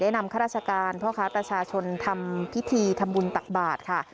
นำข้าราชการพ่อค้าประชาชนทำพิธีทำบุญตักบาทค่ะ